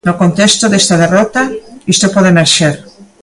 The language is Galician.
No contexto desta derrota, isto pode emerxer.